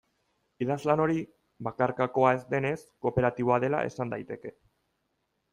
Idazlan hori, bakarkakoa ez denez, kooperatiboa dela esan daiteke.